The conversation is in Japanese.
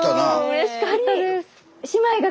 うれしかったです。